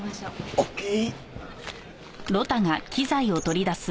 オーケー。